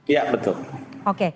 iya betul oke